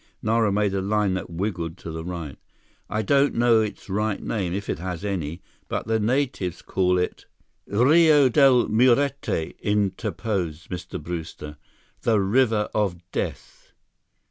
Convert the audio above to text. Nara made a line that wiggled to the right. "I don't know its right name—if it has any—but the natives call it—" "Rio Del Muerte," interposed Mr. Brewster. "The River of Death."